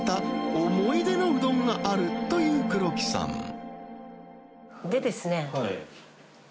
思い出のうどんがあるという黒木さん呂。